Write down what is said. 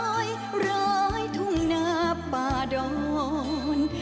พันยอดได้ร้อยทุ่งหน้าป่าดอน